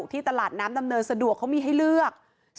ที่ตลาดน้ำดำเนินสะดวกเขามีให้เลือก